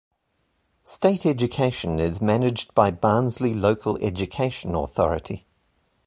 State education is managed by Barnsley Local Education Authority.